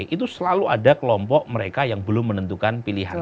itu selalu ada kelompok mereka yang belum menentukan pilihan